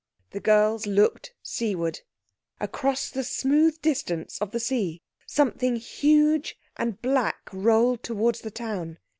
The girls looked seaward. Across the smooth distance of the sea something huge and black rolled towards the town.